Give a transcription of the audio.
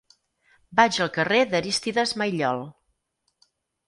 Vaig al carrer d'Arístides Maillol.